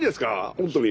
本当に。